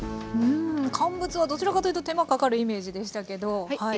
うん乾物はどちらかというと手間かかるイメージでしたけど。